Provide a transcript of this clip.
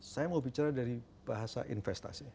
saya mau bicara dari bahasa investasi